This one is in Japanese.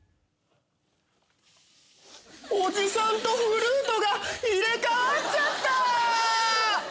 おじさんとフルートが入れ替わっちゃった！